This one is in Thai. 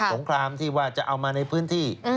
งครามที่ว่าจะเอามาในพื้นที่